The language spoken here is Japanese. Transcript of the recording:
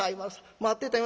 待ってたよ。